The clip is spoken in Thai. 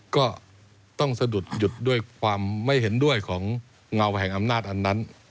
ก็ต้องสะดุดหยุดด้วยความไม่เห็นด้วยของเงาแห่งอำนาจอันนั้น